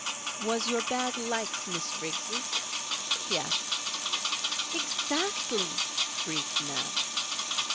"Was your bag like Miss Riggs'?" he asked. "Exactly," breathed Nan.